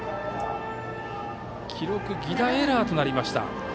記録は犠打エラーとなりました。